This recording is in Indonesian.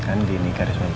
kandini karisma pabrik